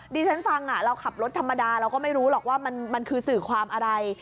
ที่ฉันฟังเราขับรถธรรมดาเราก็ไม่รู้หรอกว่ามันคือสื่อความอะไร